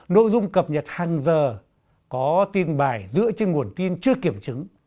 nội dung cập nhật hàng giờ có tin bài dựa trên nguồn tin chưa kiểm chứng